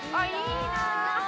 いいな！